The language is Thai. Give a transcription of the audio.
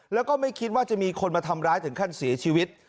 แล้วก็ไม่คิดว่าจะมีคนมาทำร้ายถึงขั้นเสียชีวิต